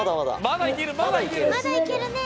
まだいけるね！